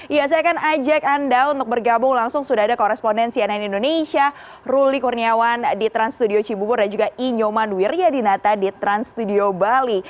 ya saya akan ajak anda untuk bergabung langsung sudah ada korespondensi ann indonesia ruli kurniawan di trans studio cibubur dan juga inyoman wiryadinata di trans studio bali